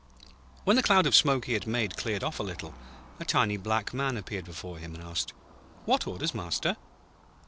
When the cloud of smoke he made cleared off a little, a tiny black Man appeared before him, and asked: 'What orders, Master?'